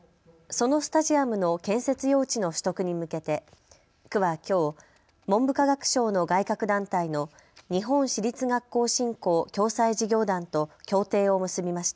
そのスタジアムの建設用地の取得に向けて区はきょう文部科学省の外郭団体の日本私立学校振興・共済事業団と協定を結びました。